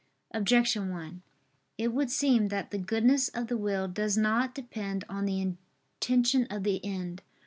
Objection 1: It would seem that the goodness of the will does not depend on the intention of the end.